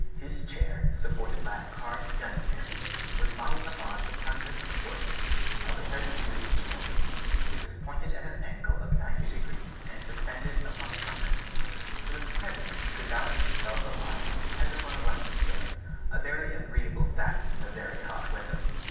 His chair, supported by a carved gun carriage, was modeled upon the ponderous proportions of a 32 inch mortar. It was pointed at an angle of ninety degrees, and suspended upon truncheons, so that the president could balance himself upon it as upon a rocking chair, a very agreeable fact in the very hot weather.